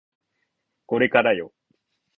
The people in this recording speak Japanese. これからよ